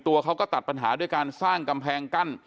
ตัวเขาก็ตัดปัญหาด้วยการสร้างกำแพงกั้น